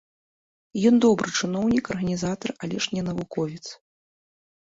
Ён добры чыноўнік, арганізатар, але ж не навуковец.